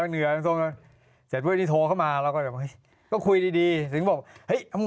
คนรู้จักเพราะเลี้ยงหมา